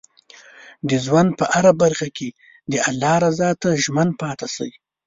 د ژوند په هره برخه کې د الله رضا ته ژمن پاتې شئ.